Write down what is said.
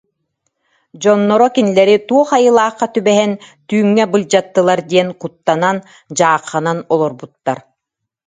Дьонноро кинилэри «туох айылаахха түбэһэн, түүҥҥэ былдьаттылар» диэн куттанан, дьаахханан олорбуттар